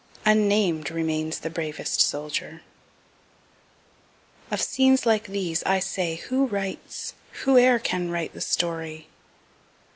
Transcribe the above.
UNNAMED REMAINS THE BRAVEST SOLDIER Of scenes like these, I say, who writes whoe'er can write the story?